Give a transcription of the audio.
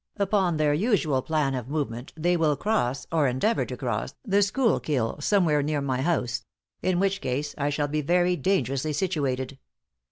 Upon their usual plan of movement, they will cross, or endeavor to cross, the Schuylkill, somewhere near my house; in which case I shall be very dangerously situated.